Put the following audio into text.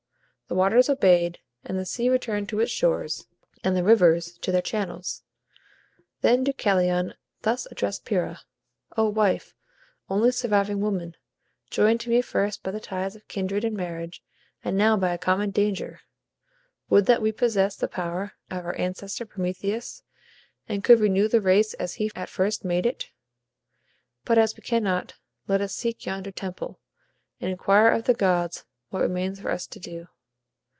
The waters obeyed, and the sea returned to its shores, and the rivers to their channels. Then Deucalion thus addressed Pyrrha: "O wife, only surviving woman, joined to me first by the ties of kindred and marriage, and now by a common danger, would that we possessed the power of our ancestor Prometheus, and could renew the race as he at first made it! But as we cannot, let us seek yonder temple, and inquire of the gods what remains for us to do."